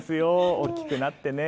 大きくなってね！